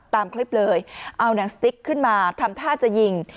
ตามคลิปเลยเอาหนังสติ๊กขึ้นมาทำท่าจะยิง